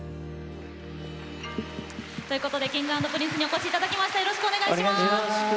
ということでＫｉｎｇ＆Ｐｒｉｎｃｅにお越しいただきました。